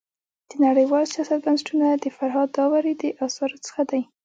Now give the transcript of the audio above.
د نړيوال سیاست بنسټونه د فرهاد داوري د اثارو څخه دی.